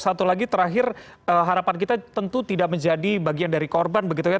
satu lagi terakhir harapan kita tentu tidak menjadi bagian dari korban begitu ya